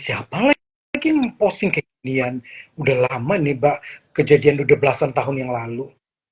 siapa lagi mungkin memposting kejadian udah lama nih mbak kejadian udah belasan tahun yang lalu